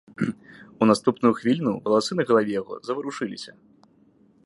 У наступную хвіліну валасы на галаве яго заварушыліся.